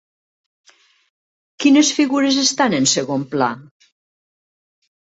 Quines figures estan en segon pla?